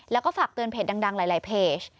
แล้วก็ฝากเตือนเพจดังหลายเพจ